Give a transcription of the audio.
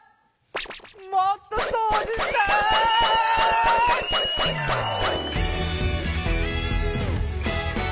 もっとそうじしたい！